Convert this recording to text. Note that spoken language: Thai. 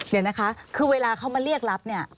เดี๋ยวนะคะคือเวลาเขามาเรียกรับเนี่ย